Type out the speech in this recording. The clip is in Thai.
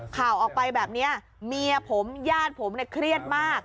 ข่าวออกไปแบบนี้เมียผมญาติผมเนี่ยเครียดมาก